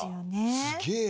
すげえわ。